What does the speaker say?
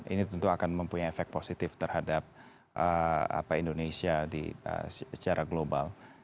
ini tentu akan mempunyai efek positif terhadap indonesia secara global